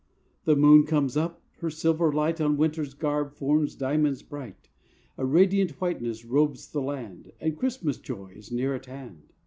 The moon comes up, her silver light On winter's garb forms diamonds bright; A radiant whiteness robes the land, And Christmas joy is near at hand.